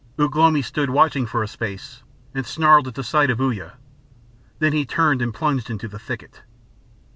Ugh lomi stood watching for a space, and snarled at the sight of Uya. Then he turned and plunged into the thicket.